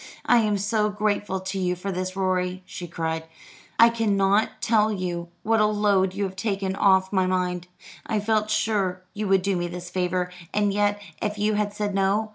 "I am so grateful to you for this, Rorie," she cried. "I cannot tell you what a load you have taken off my mind. I felt sure you would do me this favour. And yet, if you had said No